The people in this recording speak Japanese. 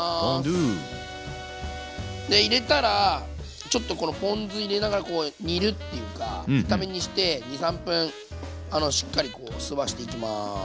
ポンドゥ。で入れたらちょっとこのポン酢入れながら煮るっていうか炒め煮して２３分しっかり吸わしていきます。